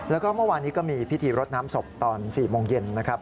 แล้วก็เมื่อวานนี้ก็มีพิธีรดน้ำศพตอน๔โมงเย็นนะครับ